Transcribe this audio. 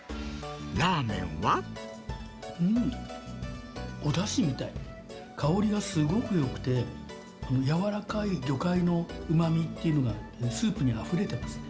うーん、おだしみたい、香りがすごくよくて、やわらかい魚介のうまみっていうのが、スープにあふれてます。